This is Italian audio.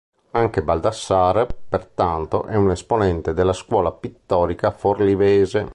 Anche Baldassarre, pertanto, è un esponente della scuola pittorica forlivese.